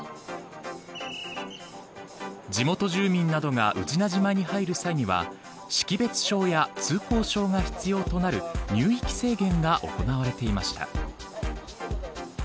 地元住民などが宇品島に入る際には識別証や通行証が必要となる入域制限が行われていました。